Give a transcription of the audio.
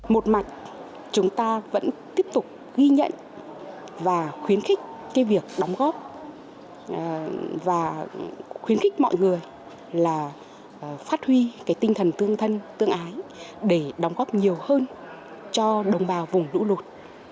một mặt chúng ta vẫn tiếp tục ghi nhận và khuyến khích cái việc đóng góp và khuyến khích mọi người là phát huy cái tinh thần tương thân tương ái để đóng góp nhiều hơn cho đồng bào vùng lũ lụt